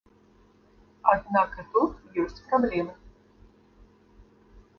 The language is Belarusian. Аднак і тут ёсць праблемы.